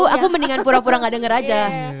aku mendingan pura pura gak denger aja